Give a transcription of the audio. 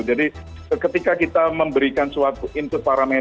jadi ketika kita memberikan suatu input parameter